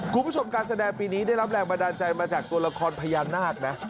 คุณผู้ชมการแสดงปีนี้ได้รับแรงบันดาลใจมาจากตัวละครพญานาคนะ